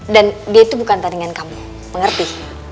dan dia itu bukan tandingan kamu mengerti